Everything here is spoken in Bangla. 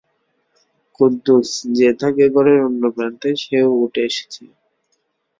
কুদ্দুস, যে থাকে ঘরের অন্য প্রান্তে, সেও উঠে এসেছে।